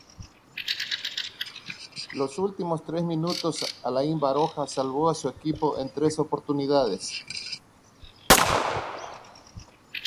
Los últimos minutos Alain Baroja salvó a su equipo en tres oportunidades.